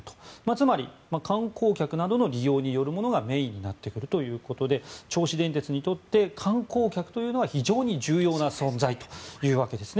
つまり観光客などの利用によるものがメインになっているということで銚子電鉄にとって観光客が非常に重要な存在というわけです。